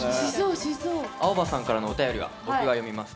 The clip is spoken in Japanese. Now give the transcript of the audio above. アオバさんからのお便りは僕が読みます。